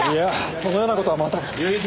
そのような事は全く。